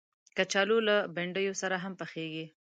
کچالو له بنډیو سره هم پخېږي